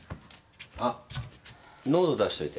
あっノート出しといて。